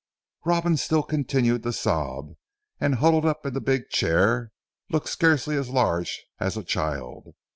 Robin still continued to sob, and huddled up in the big chair looked scarcely as large as a child.